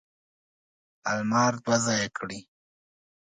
المار دوه ځایه کړي.